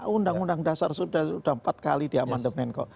undang undang dasar sudah empat kali di amandemen kok